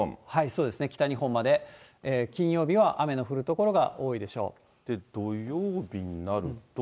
そうですね、北日本まで、金曜日は雨の降る所がで、土曜日になると？